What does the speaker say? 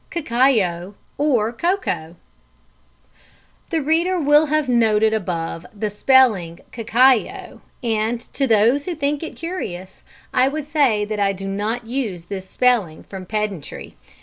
Cacao or Cocoa? The reader will have noted above the spelling "cacao," and to those who think it curious, I would say that I do not use this spelling from pedantry.